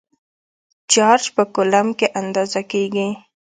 چارج په کولمب کې اندازه کېږي.